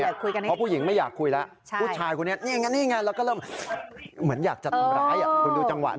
เพราะผู้หญิงไม่อยากคุยแล้วผู้ชายคนนี้นี่ไงแล้วก็เริ่มเหมือนอยากจะทำร้าย